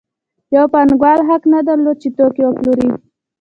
یو پانګوال حق نه درلود چې توکي وپلوري